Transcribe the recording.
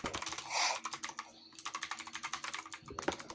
La noticia llevó a la población de Fray Bentos a festejar en las calles.